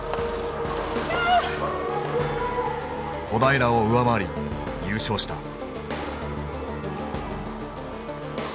小平を上回り優勝した。